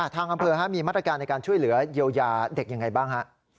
ทางอำเภอมีมาตรการในการช่วยเหลือเยียวยาเด็กยังไงบ้างฮะ